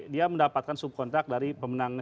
dia mendapatkan subkontrak dari pemenang